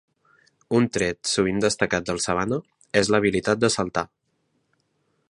Un tret sovint destacat del Savannah és l'habilitat de saltar.